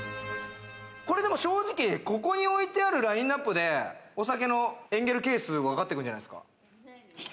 これ正直、ここにおいてあるラインナップで、お酒のエンゲル係数分かってくるんじゃないですか？